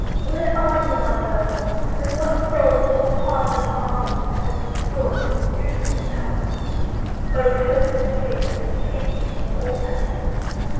where are you, my myrtle? And what soul more hard than marble has destroyed this beautiful flower pot? O cursed chase, that has chased me from all happiness!